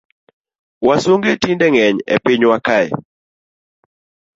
Wasunge tinde ngeny e pinywa kae